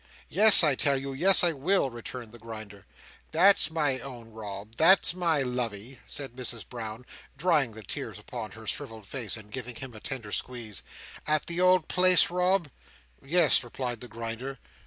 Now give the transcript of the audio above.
"Yes, I tell you! Yes, I will!" returned the Grinder. "That's my own Rob! That's my lovey!" said Mrs Brown, drying the tears upon her shrivelled face, and giving him a tender squeeze. "At the old place, Rob?" "Yes," replied the Grinder.